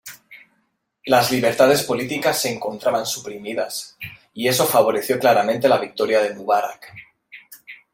Las libertades políticas se encontraban suprimidas y eso favoreció claramente la victoria de Mubarak.